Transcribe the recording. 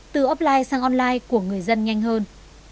từ offline sang online của người dân nhanh hơn